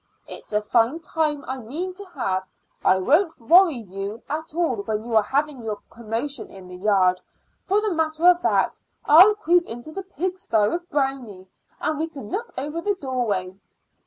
It's a fine time I mean to have. I won't worry you at all when you are having your commotion in the yard. For the matter of that, I'll creep into the pig sty with Brownie, and we can look over the doorway."